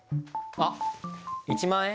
あっ１万円？